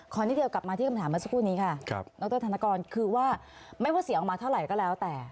นิดเดียวกลับมาที่คำถามเมื่อสักครู่นี้ค่ะดรธนกรคือว่าไม่ว่าเสียงออกมาเท่าไหร่ก็แล้วแต่